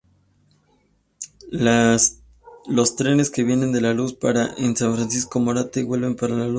Los trenes que vienen de Luz paran en Francisco Morato y vuelven para Luz.